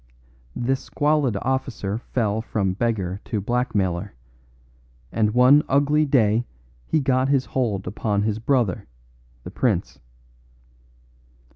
This squalid officer fell from beggar to blackmailer, and one ugly day he got his hold upon his brother, the prince.